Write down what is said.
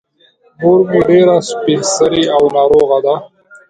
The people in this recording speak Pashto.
مور مې ډېره سبین سرې او ناروغه ده.